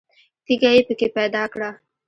تیږه یې په کې پیدا کړه.